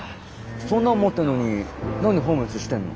そんなん持ってんのに何でホームレスしてんの？